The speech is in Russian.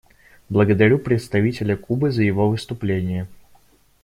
Благодарю представителя Кубы за его выступление.